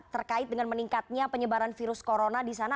terkait dengan meningkatnya penyebaran virus corona di sana